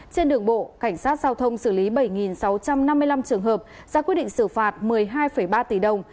trên đường bộ cảnh sát giao thông xử lý bảy sáu trăm năm mươi năm trường hợp ra quyết định xử phạt một mươi hai ba tỷ đồng